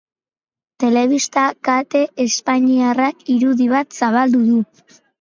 Telebista kate espainiarrak irudi bat zabaldu du.